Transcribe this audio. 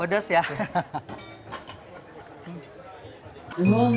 boleh beritahu kami tentang rasanya juga